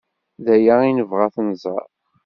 D aya ay nebɣa ad t-nẓer.